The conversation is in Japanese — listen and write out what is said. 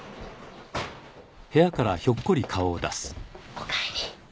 おかえり。